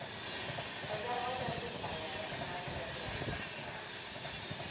Ezzel majdnem duplájára emelkedett a népesség.